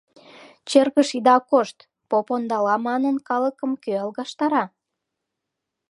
Черкыш ида кошт, поп ондала манын, калыкым кӧ алгаштара?